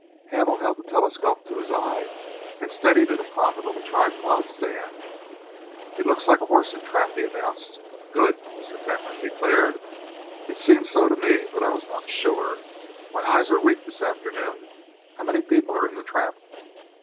Hamel held the telescope to his eye and steadied it upon the little tripod stand. "It looks like a horse and trap," he announced. "Good!" Mr. Fentolin declared. "It seemed so to me, but I was not sure. My eyes are weak this afternoon. How many people are in the trap?"